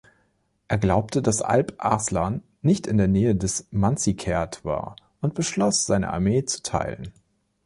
Er glaubte, dass Alp Arslan nicht in der Nähe von Manzikert war und beschloss, seine Armee zu teilen.